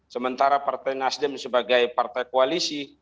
sementara partai nasdem sebagai partai koalisi